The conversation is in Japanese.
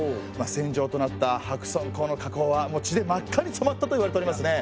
戦場となった白村江の河口はもう血で真っ赤に染まったといわれておりますね。